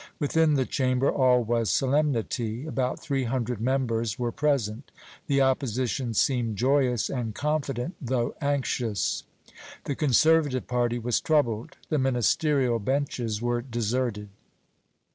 Within the Chamber all was solemnity. About three hundred members were present. The opposition seemed joyous and confident, though anxious. The conservative party was troubled. The Ministerial benches were deserted.